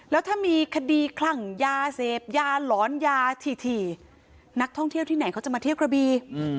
แล้วถ้ามีคดีคลั่งยาเสพยาหลอนยาถี่นักท่องเที่ยวที่ไหนเขาจะมาเที่ยวกระบี